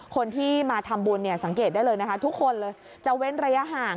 คนที่มาทำบุญเนี่ยสังเกตได้เลยนะคะทุกคนเลยจะเว้นระยะห่าง